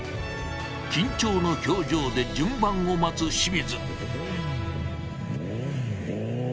緊張の表情で順番を待つ清水。